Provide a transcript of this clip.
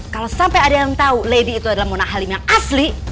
kalau sampai ada yang tahu lady itu adalah mona halim yang asli